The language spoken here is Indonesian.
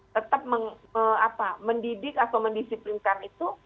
tetap mendidik atau mendisiplinkan itu